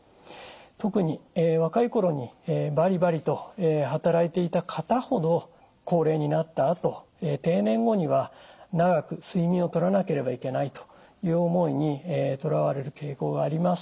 特に若い頃にバリバリと働いていた方ほど高齢になったあと定年後には長く睡眠をとらなければいけないという思いにとらわれる傾向があります。